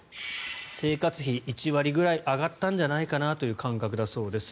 生活費が１割くらい上がったんじゃないかなという感覚だそうです。